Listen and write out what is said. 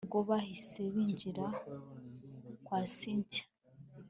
ubwo bahise binjira kwa cyntia